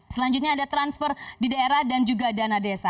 selanjutnya ada transfer di daerah dan juga dana desa